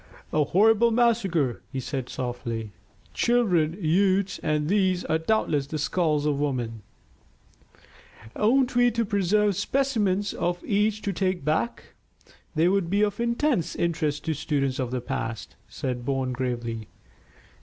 "A horrible massacre," he said softly. "Children, youths, and these are doubtless the skulls of women." "Oughtn't we to preserve specimens of each to take back? They would be of intense interest to students of the past," said Bourne gravely.